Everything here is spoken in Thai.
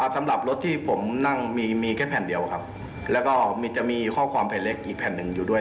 สำหรับรถที่ผมนั่งมีมีแค่แผ่นเดียวครับแล้วก็มีจะมีข้อความแผ่นเล็กอีกแผ่นหนึ่งอยู่ด้วย